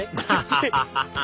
アハハハ！